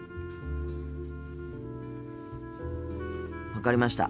分かりました。